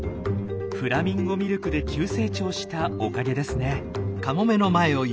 フラミンゴミルクで急成長したおかげですね。